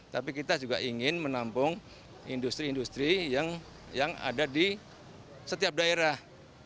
tapi kita juga ingin menampung industri industri yang ada di setiap daerah